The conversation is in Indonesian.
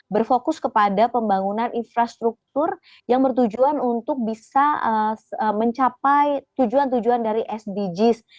berfokus kepada pembangunan infrastruktur yang bertujuan untuk bisa mencapai tujuan tujuan dari sdgs